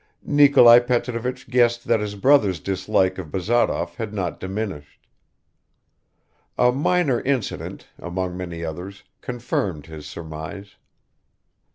Nikolai Petrovich guessed that his brother's dislike of Bazarov had not diminished. A minor incident, among many others, confirmed his surmise.